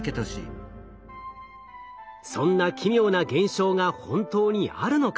そんな奇妙な現象が本当にあるのか？